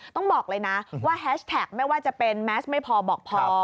ต้องบอกเลยนะว่าแฮชแท็กไม่ว่าจะเป็นแมสไม่พอบอกพอ